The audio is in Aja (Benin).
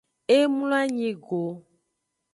E mloanyi go.